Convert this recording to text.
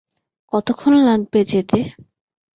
কতক্ষণ লাগবে যেতে?